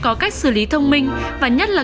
có cách xử lý thông minh và nhất là